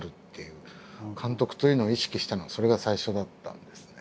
監督というのを意識したのはそれが最初だったんですね。